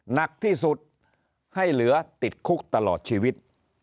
หนักที่สุดให้เหลือติดคุกตลอดชีวิต